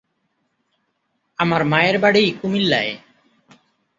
আমার মায়ের বাড়ি কুমিল্লায়।